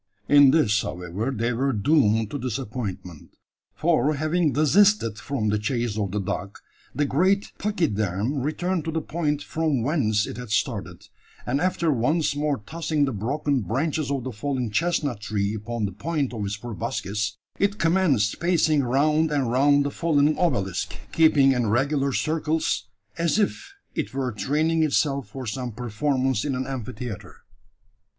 In this, however, they were doomed to disappointment; for having desisted from the chase of the dog, the great pachyderm returned to the point from whence it had started; and, after once more tossing the broken branches of the fallen chestnut tree upon the point of its proboscis, it commenced pacing round and round the fallen obelisk, keeping in regular circles, as if it were training itself for some performance in an amphitheatre.